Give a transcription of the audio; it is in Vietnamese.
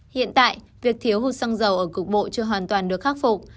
hiện tại việc thiếu hụt xăng dầu ở cục bộ chưa hoàn toàn được khắc phục